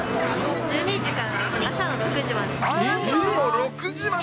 １２時から朝の６時まで。